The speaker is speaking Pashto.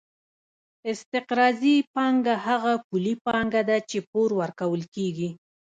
استقراضي پانګه هغه پولي پانګه ده چې پور ورکول کېږي